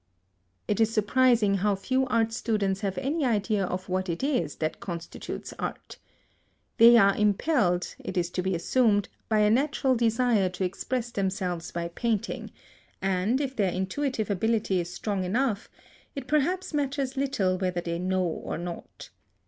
It is surprising how few art students have any idea of what it is that constitutes art. They are impelled, it is to be assumed, by a natural desire to express themselves by painting, and, if their intuitive ability is strong enough, it perhaps matters little whether they know or not.